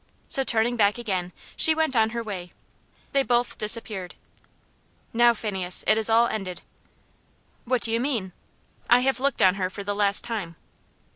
So, turning back again, she went on her way. They both disappeared. "Now, Phineas, it is all ended." "What do you mean?" "I have looked on her for the last time."